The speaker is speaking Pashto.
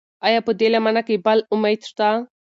ایا په دې لمنه کې بل امید شته؟